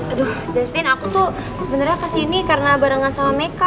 aduh justin aku tuh sebenarnya kesini karena barengan sama meka